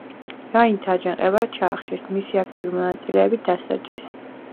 რაინდთა აჯანყება ჩაახშეს, მისი აქტიური მონაწილეები დასაჯეს.